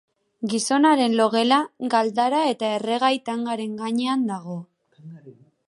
Gizonaren logela galdara eta erregai-tangaren gainean dago.